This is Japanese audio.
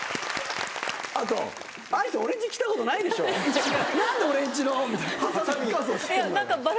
あと。